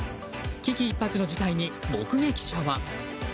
危機一髪の事態に目撃者は。